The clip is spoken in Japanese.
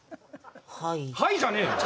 はい「はい」じゃねえよ